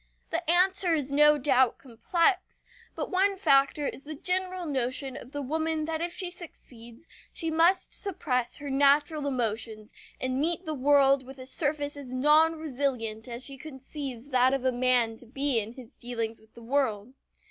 The answer is no doubt complex, but one factor is the general notion of the woman that if she succeeds she must suppress her natural emotions and meet the world with a surface as non resilient as she conceives that of man to be in his dealings with the world.